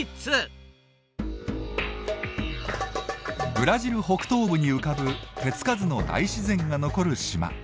ブラジル北東部に浮かぶ手つかずの大自然が残る島。